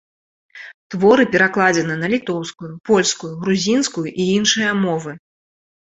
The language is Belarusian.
Творы перакладзены на літоўскую, польскую, грузінскую і іншыя мовы.